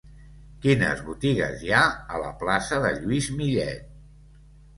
Quines botigues hi ha a la plaça de Lluís Millet?